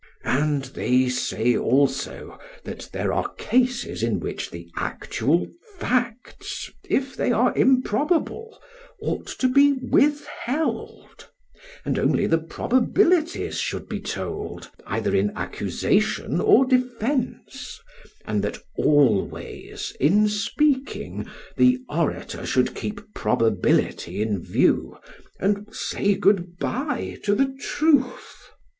And they say also that there are cases in which the actual facts, if they are improbable, ought to be withheld, and only the probabilities should be told either in accusation or defence, and that always in speaking, the orator should keep probability in view, and say good bye to the truth.